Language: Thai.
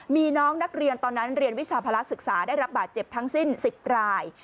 มีน้องนักเรียนตอนนั้นเรียนวิชาภาระศึกษาได้รับบาดเจ็บทั้งสิ้น๑๐ราย